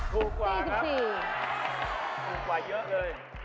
ถูกกว่าเยอะเลย